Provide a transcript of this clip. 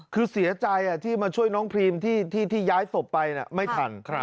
คือเสียใจที่มาช่วยน้องพรีมที่ย้ายศพไปไม่ทัน